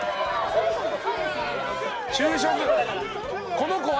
この子は？